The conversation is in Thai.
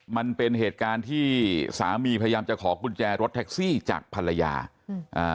มันเป็นเหตุการณ์ที่สามีพยายามจะขอกุญแจรถแท็กซี่จากภรรยาอืมอ่า